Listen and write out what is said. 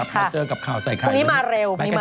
เป็นเขาเขา